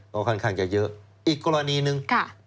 ก็ค่อนข้างจะเยอะอีกกรณีหนึ่ง